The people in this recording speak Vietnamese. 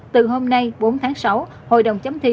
từ hôm nay bốn tháng sáu hội đồng chấm thi